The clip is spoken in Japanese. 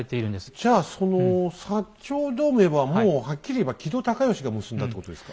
じゃあその長同盟はもうはっきり言えば木戸孝允が結んだってことですか？